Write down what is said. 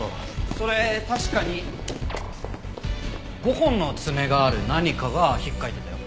それ確かに５本の爪がある何かが引っかいてたよ。